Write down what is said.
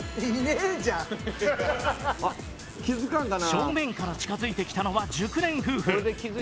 正面から近付いてきたのは熟年夫婦。